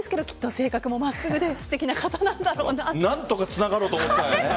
性格も真っすぐですてきな方なんだろうなと。何とかつながろうとしてます。